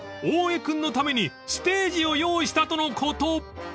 大江君のためにステージを用意したとのこと］